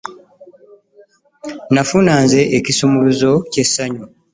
Nafuna nze ekisumuluzo ky'essanyu.